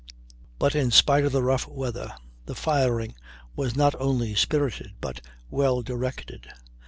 ] But in spite of the rough weather, the firing was not only spirited but well directed.